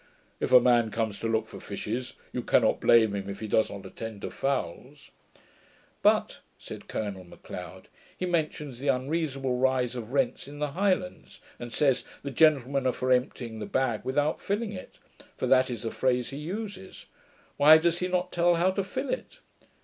If a man comes to look for fishes, you cannot blame him if he does not attend to fowls.' 'But,' said Colonel M'Leod, 'he mentions the unreasonable rise of rents in the Highlands, and says, "the gentlemen are for emptying the bag, without filling it"; for that is the phrase he uses. Why does he not tell how to fill it?'